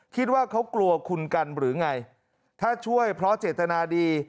คิดว่าเขากลัวคุณกันหรือไงถ้าช่วยเพราะเจตนาดี